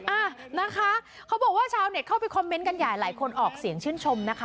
อ่ะนะคะเขาบอกว่าชาวเน็ตเข้าไปคอมเมนต์กันใหญ่หลายคนออกเสียงชื่นชมนะคะ